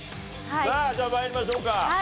さあじゃあ参りましょうか。